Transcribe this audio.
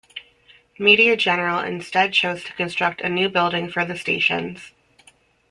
Media General instead chose to construct a new building for the stations.